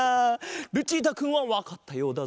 ルチータくんはわかったようだぞ。